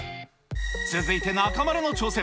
続いて中丸の挑戦。